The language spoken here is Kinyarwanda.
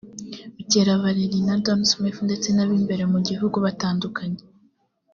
Bukera Vallery na Don Smith ndetse n’abimbere mu gihugu batandukanye